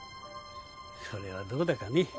それはどうだかね。